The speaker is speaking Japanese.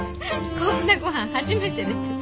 こんなごはん初めてです。